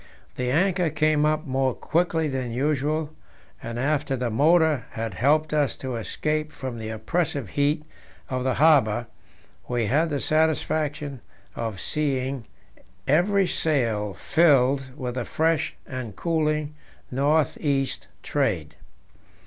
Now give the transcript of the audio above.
The anchor came up more quickly than usual, and after the motor had helped us to escape from the oppressive heat of the harbour, we had the satisfaction of seeing every sail filled with the fresh and cooling north east trade.